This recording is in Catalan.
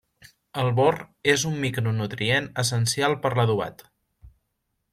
El bor és un micronutrient essencial per l'adobat.